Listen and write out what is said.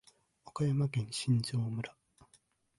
岡山県新庄村